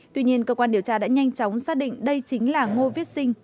tuy nhiên cơ quan điều tra đã nhanh chóng xác định đây chính là ngô viết sinh